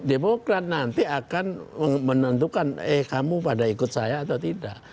demokrat nanti akan menentukan eh kamu pada ikut saya atau tidak